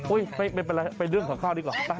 ไม่เป็นไรไปเรื่องของข้าวดีกว่า